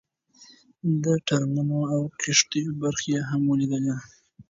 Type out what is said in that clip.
د ټرمونو او کښتیو برخې یې هم ولیدې.